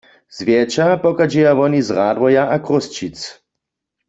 Zwjetša pochadźeja woni z Radworja a Chrósćic.